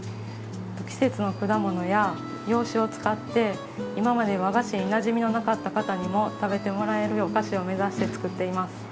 季節の果物や洋酒を使って今まで和菓子になじみのなかった方にも食べてもらえるお菓子を目指して作っています。